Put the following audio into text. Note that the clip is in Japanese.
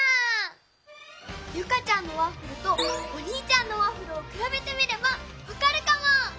ユカちゃんのワッフルとおにいちゃんのワッフルをくらべてみればわかるかも！